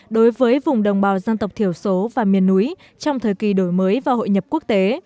đối với vùng đồng bào dân tộc thiểu số và miền núi trong thời kỳ đổi mới và hội nhập quốc tế